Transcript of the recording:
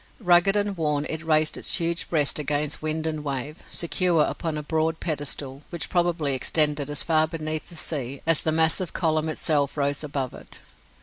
Rugged and worn, it raised its huge breast against wind and wave, secure upon a broad pedestal, which probably extended as far beneath the sea as the massive column itself rose above it.